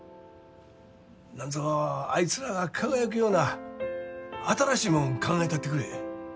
なんぞあいつらが輝くような新しいもん考えたってくれ。